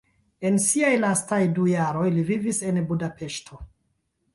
En siaj lastaj du jaroj li vivis en Budapeŝto.